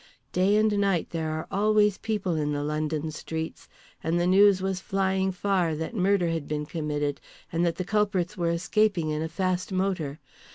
Day and night there are always people in the London streets, and the news was flying far that murder had been committed, and that the culprits were escaping in a fast motor.